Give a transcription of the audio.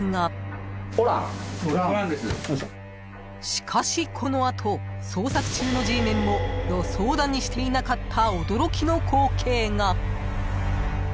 ［しかしこの後捜索中のＧメンも予想だにしていなかった］